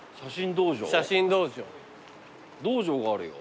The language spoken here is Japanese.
道場があるよ。